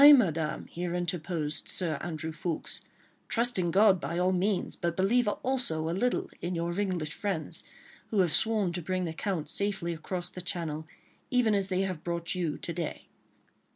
." "Aye, Madame!" here interposed Sir Andrew Ffoulkes, "trust in God by all means, but believe also a little in your English friends, who have sworn to bring the Count safely across the Channel, even as they have brought you to day."